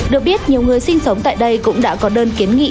được biết nhiều người sinh sống tại đây cũng đã có đơn kiến nghị